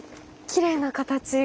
きれいな形。